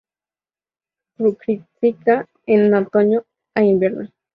Fructifica en otoño a invierno.